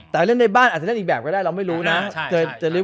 แต่เล่นในบ้านอาจจะเล่นอีกแบบก็ได้เราไม่รู้นะ